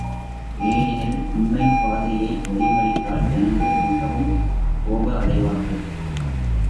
ஏனெனில் உண்மைப் பாதிரியை வழிமறித்தால் ஜனங்கள் மிகவும் கோபடைவார்கள்.